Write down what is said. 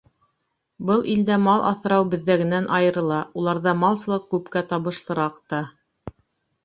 Был илдә мал аҫрау беҙҙәгенән айырыла, уларҙа малсылыҡ күпкә табышлыраҡ та.